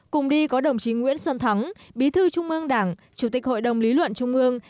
cùng đi có đồng chí nguyễn xuân thắng bí thư trung ương đảng chủ tịch hội đồng lý luận trung ương